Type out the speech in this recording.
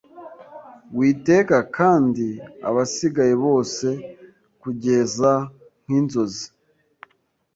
witeka Kandi abasigaye bose Kugeza nkinzozi